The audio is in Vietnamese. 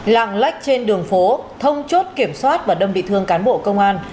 lạng lách trên đường phố thông chốt kiểm soát và đâm bị thương cán bộ công an